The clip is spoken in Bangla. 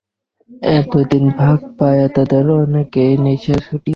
এতদিন ফাঁক পাইয়া তাদের অনেকেরই নেশা ছুটিয়াছে।